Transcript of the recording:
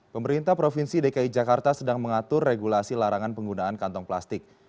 pemerintah provinsi dki jakarta sedang mengatur regulasi larangan penggunaan kantong plastik